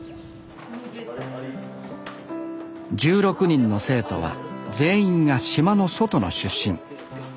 １６人の生徒は全員が島の外の出身。